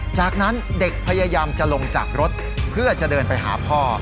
จากนั้นเด็กพยายามจะลงจากรถเพื่อจะเดินไปหาพ่อ